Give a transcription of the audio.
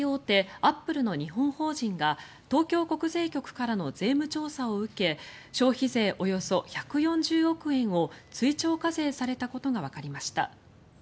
アップルの日本法人が東京国税局からの税務調査を受け消費税およそ１４０億円を追徴課税されたことがわかりました。